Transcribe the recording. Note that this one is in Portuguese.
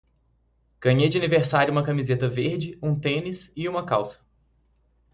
Ganhei de aniversário uma camiseta verde, um tênis e uma calça.